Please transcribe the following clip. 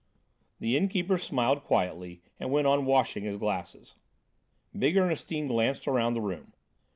The innkeeper smiled quietly and went on washing his glasses. Big Ernestine glanced around the room.